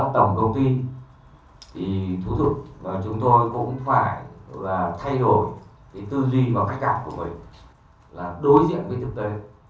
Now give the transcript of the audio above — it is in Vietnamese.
thì thú dụng là chúng tôi cũng phải thay đổi tư duy và cách gặp của mình là đối diện với thực tế